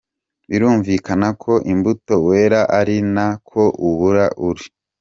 Birumvikana ko imbuto wera ari na ko uba uri.